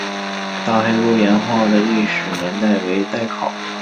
大黑沟岩画的历史年代为待考。